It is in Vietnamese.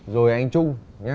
rồi anh trung